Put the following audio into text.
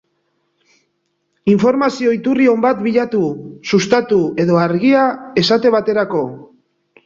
Informazio iturri on bat bilatu, Sustatu edo Argia esate baterako.